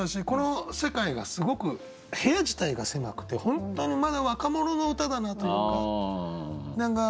この世界がすごく部屋自体が狭くて本当のまだ若者の歌だなというか。